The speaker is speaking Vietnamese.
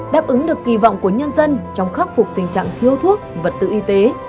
đáp ứng được kỳ vọng của nhân dân trong khắc phục tình trạng thiếu thuốc vật tư y tế